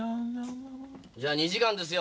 じゃ２時間ですよ。